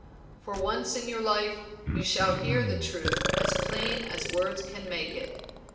For once in your life you shall hear the truth as plain as words can make it.